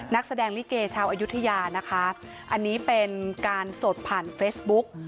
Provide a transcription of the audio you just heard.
นักแสดงลิเกชาวอายุทยานะคะอันนี้เป็นการสดผ่านเฟซบุ๊ก